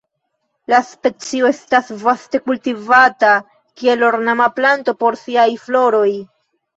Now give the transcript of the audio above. La specio estas vaste kultivata kiel ornama planto por siaj floroj.